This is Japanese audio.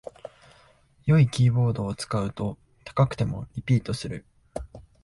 良いキーボードを使うと高くてもリピートする